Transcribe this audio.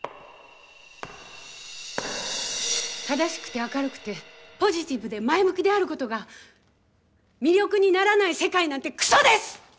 正しくて明るくてポジティブで前向きであることが魅力にならない世界なんてくそです！